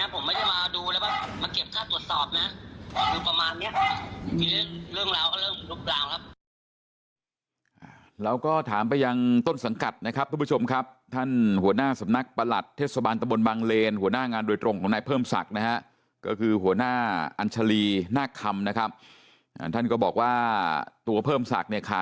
ผมก็ตรวจสอบให้นะครับผมไม่ได้มาดูแล้วว่ามาเก็บค่าตรวจสอบนะ